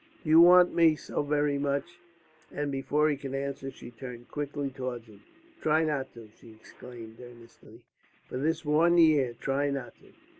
"Do you want me so very much?" And before he could answer she turned quickly towards him. "Try not to," she exclaimed earnestly. "For this one year try not to.